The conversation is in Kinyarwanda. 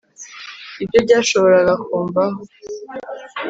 Ibyo byashoboraga kumbaho